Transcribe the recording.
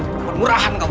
perempuan murahan kamu